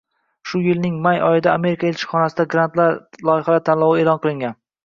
Shu yilning may oyida Amerika elchixonasi grant loyihalar tanlovini e'lon qilgan.